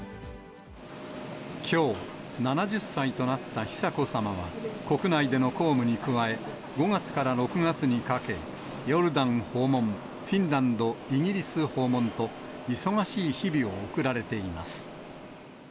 きょう、７０歳となった久子さまは、国内での公務に加え、５月から６月にかけ、ヨルダン訪問、フィンランド、イギリス訪問と、忙しい日々を送られています。